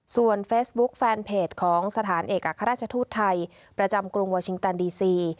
ส่วนเฟซบุ๊คแฟนเพจของสถานเอกอัครราชทูตไทยประจำกรุงวาชิงตันดีซี